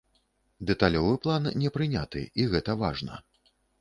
Дэталёвы план не прыняты, і гэта важна.